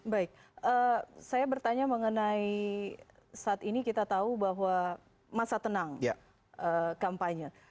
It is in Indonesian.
baik saya bertanya mengenai saat ini kita tahu bahwa masa tenang kampanye